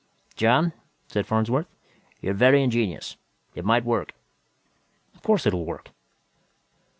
"John," said Farnsworth, "you are very ingenious. It might work." "Of course it'll work."